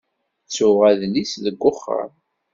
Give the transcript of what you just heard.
Ttuɣ adlis deg uxxam.